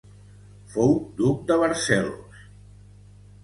Fou Duc de Barcelos.